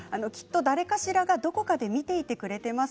誰かしらどこかで見ていてくれています。